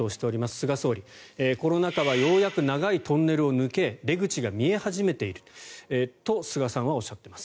菅総理コロナ禍はようやく長いトンネルを抜け出口が見え始めていると菅さんはおっしゃっています。